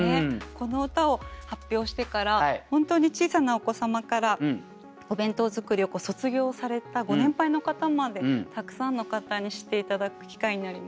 この歌を発表してから本当に小さなお子様からお弁当作りを卒業されたご年配の方までたくさんの方に知って頂く機会になりました。